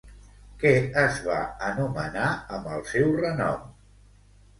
Què es va anomenar amb el seu renom?